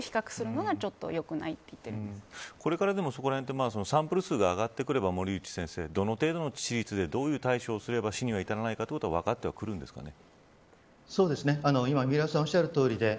その２つを比較するのがよくないこれから、でも、そこらへんはサンプル数が上がってくれば森内先生、どの程度の致死率でどういう対処をすれば死に至らないか分かってくるんですかね。